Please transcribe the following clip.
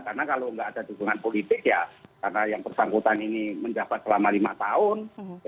karena kalau nggak ada dukungan politik ya karena yang persangkutan ini menjabat selama lima tahun